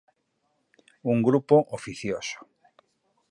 Un grupo oficioso.